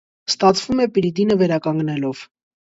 Ստացվում է պիրիդինը վերականգնելով։